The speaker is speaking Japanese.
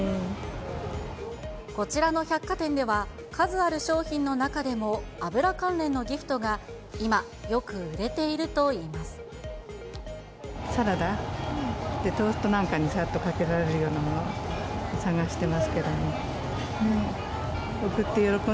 こちらの百貨店では、数ある商品の中でも油関連のギフトが今、よく売れているといいまサラダ、トーストなんかにさっとかけられるようなもの探してますけどね。